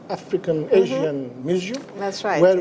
untuk melawat museum asia afrika